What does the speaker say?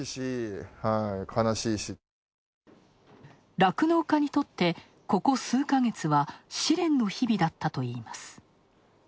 酪農家にとって、ここ数か月は、試練の日々だったといいます。